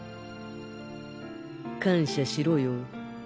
感謝しろよ